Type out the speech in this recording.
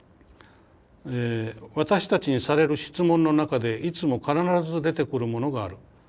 「私たちにされる質問の中でいつも必ず出てくるものがある。